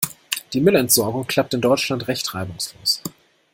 Die Müllentsorgung klappt in Deutschland recht reibungslos.